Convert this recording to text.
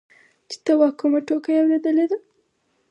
چې ته وا کومه ټوکه يې اورېدلې ده.